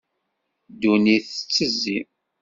Ddunit tettezzi.